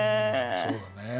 そうだね。